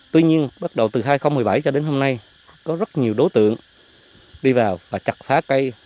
tuy nhiên bắt đầu từ hai nghìn một mươi bảy cho đến hôm nay có rất nhiều đối tượng đi vào và chặt phá cây